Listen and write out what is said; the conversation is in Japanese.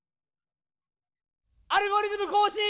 「アルゴリズムこうしん」！